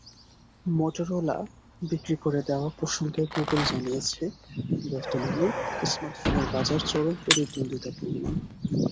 Motorola বিক্রি করে দেওয়া প্রসঙ্গে গুগল জানিয়েছে, বর্তমানে স্মার্টফোনের বাজার চরম প্রতিদ্বন্দ্বিতাপূর্ণ।